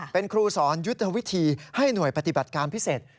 เป็นครูสอนยุทธวิธีให้หน่วยปฏิบัติการพิเศษ